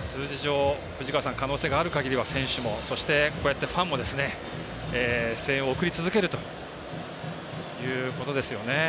数字上可能性があるかぎりは選手も、そしてファンも声援を送り続けるということですよね。